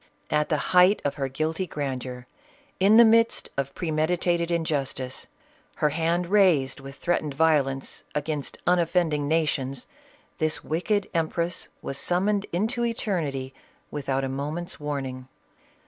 At the height of her guilty grandeur, in the midst of premeditated injustice, her hand raised with threatened violence against unof fending nations, this wicked empress was summoned into eternity without a moment's warning.